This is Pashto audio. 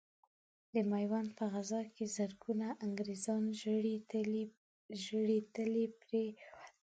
د ميوند په غزا کې زرګونه انګرېزان ژړې تلې پرې وتل.